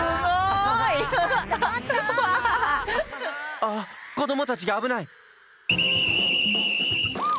あっこどもたちがあぶない！